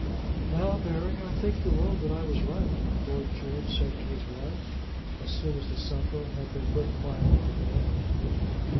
"Now, Mary, I think you'll own that I was right," Lord George said to his wife, as soon as the sufferer had been put quietly to bed.